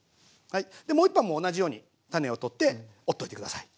でもう一本も同じように種を取って折っておいて下さい。